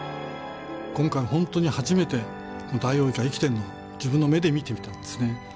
今回本当に初めてダイオウイカ生きているのを自分の目で見てみたんですね。